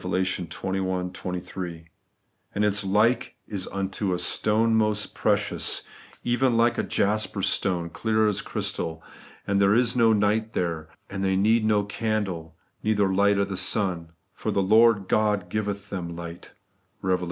xxi 23) ; and its light is ' like unto a stone most precious, even like a jasper stone, clear as crystal; and there is no night there, and they need no candle, neither light of the sun, for the Lord God giveth them light ' (Eev.